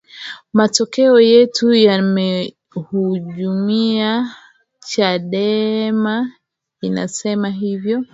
matokeo yetu yamehujumia chadema inasema hivo